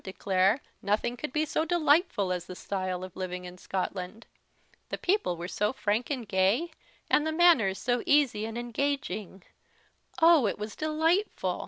declare nothing could be so delightful as the style of living in Scotland: the people were so frank and gay, and the manners so easy and engaging oh! it was delightful!